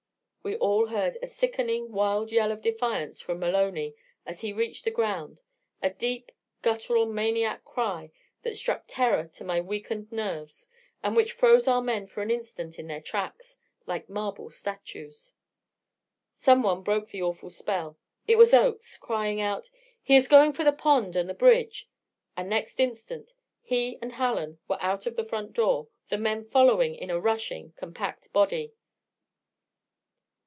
We all heard a sickening, wild yell of defiance from Maloney as he reached the ground a deep, guttural, maniac cry that struck terror to my weakened nerves and which froze our men for an instant in their tracks, like marble statues. Someone broke the awful spell it was Oakes, crying out: "He is going for the pond and the bridge." And next instant he and Hallen were out of the front door, the men following in a rushing, compact body.